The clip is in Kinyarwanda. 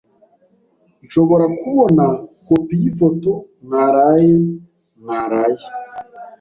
Nshobora kubona kopi yifoto mwaraye mwaraye?